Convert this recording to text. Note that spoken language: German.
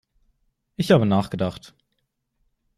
Ich habe nachgedacht.